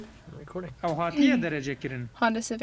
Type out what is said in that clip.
Ew hatiye derecekirin?